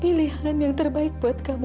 pilihan yang terbaik buat kamu